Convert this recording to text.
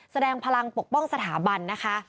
แสดงพลังปกป้องสถาบันนะคะ